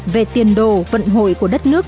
về tiền đồ vận hội của đất nước